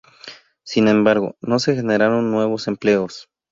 Sin embargo, no se generaron nuevos empleos.